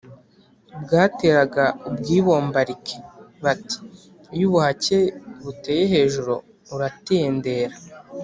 bwateraga ubwibombarike. bati: iyo ubuhake buteye hejuru uratendera .